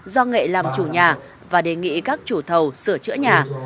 do nghệ làm chủ nhà và đề nghị các chủ thầu sửa chữa nhà